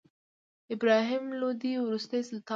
ابراهیم لودي وروستی سلطان و.